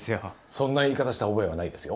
そんな言い方した覚えはないですよ。